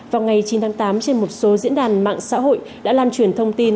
vào ngày chín tháng tám trên một số diễn đàn mạng xã hội đã lan truyền thông tin